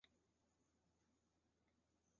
为牟羽可汗的宰相。